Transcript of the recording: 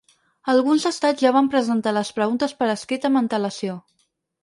Alguns estats ja van presentar les preguntes per escrit amb antelació.